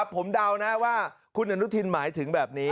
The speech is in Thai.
ผมเดานะว่าคุณอนุทินหมายถึงแบบนี้